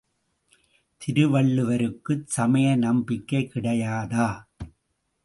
திருவள்ளுவருக்குச் சமய நம்பிக்கை கிடையாதா?